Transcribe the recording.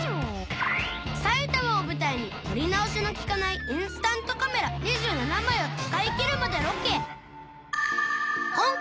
埼玉を舞台に撮り直しのきかないインスタントカメラ２７枚を使い切るまでロケ！